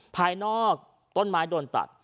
ภายนอกต้นไม้โดนตัด